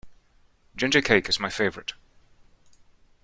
Ginger cake is my favourite.